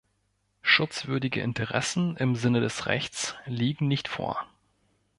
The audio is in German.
Schutzwürdige Interessen im Sinne des Rechts liegen nicht vor.